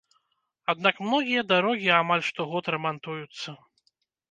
Аднак многія дарогі амаль штогод рамантуюцца.